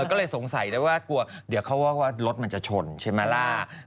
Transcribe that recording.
ก็เลยสงสัยแล้วว่ากลัวเดี๋ยวเขาว่ารถมันจะชนใช่ไหมล่ะ